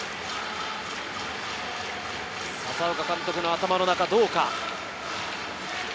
佐々岡監督の頭の中はどうか。